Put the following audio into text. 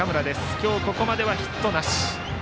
今日ここまではヒットなし。